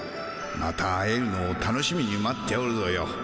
また会えるのを楽しみに待っておるぞよ。